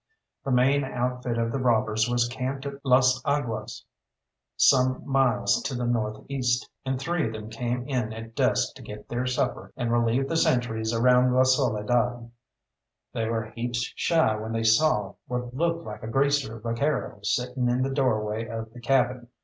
The main outfit of the robbers was camped at Las Aguas, some miles to the north east, and three of them came in at dusk to get their supper and relieve the sentries around La Soledad. They were heaps shy when they saw what looked like a greaser vaquero sitting in the doorway of the cabin.